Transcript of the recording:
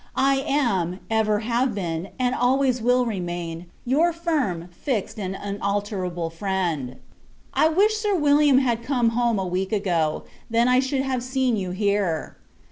I am, ever have been, and always will remain, your most firm, fixed, and unalterable friend. I wish Sir William had come home a week ago, then I should have seen you here.